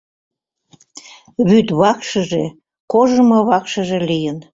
Вӱд вакшыже, кожымо вакшыже лийын.